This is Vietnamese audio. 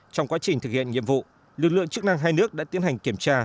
trong quá trình thực hiện nhiệm vụ lực lượng chức năng hai nước đã tiến hành kiểm tra